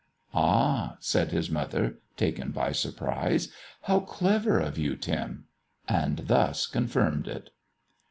"Ah!" said his mother, taken by surprise. "How clever of you, Tim!" and thus confirmed it.